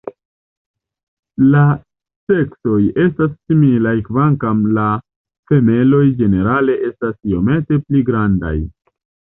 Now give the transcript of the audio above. La seksoj estas similaj kvankam la femaloj ĝenerale estas iomete pli grandaj.